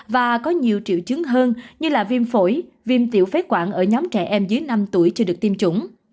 và có nhiều triệu chứng hơn như là viêm phổi viêm tiểu phế quản ở nhóm trẻ em dưới năm tuổi chưa được tiêm chủng